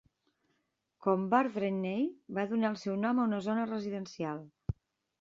Com Bardrainney, va donar el seu nom a una zona residencial.